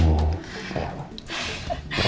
oh ya allah